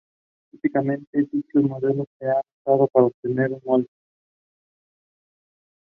Click the extension icon and paste in the token